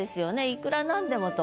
いくらなんでもと。